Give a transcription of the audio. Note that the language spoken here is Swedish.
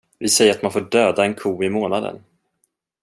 Vi säger att man får döda en ko i månaden.